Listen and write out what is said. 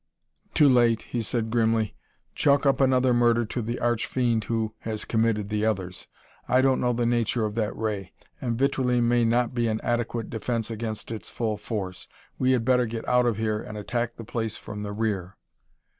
"Too late," he said grimly. "Chalk up another murder to the arch fiend who has committed the others. I don't know the nature of that ray and vitrilene may not be an adequate defence against its full force. We had better get out of here and attack the place from the rear."